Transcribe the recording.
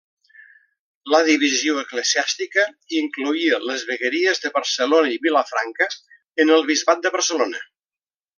La divisió eclesiàstica incloïa les vegueries de Barcelona i Vilafranca en el bisbat de Barcelona.